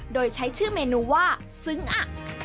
โดยใช้ชื่อเมนูว่าซึ้งอ่ะ